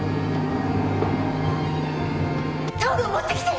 タオルを持ってきて！